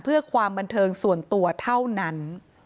เพื่อความบันเทิงส่วนตัวเท่านั้น